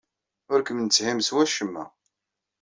Ur kem-netthim s wacemma.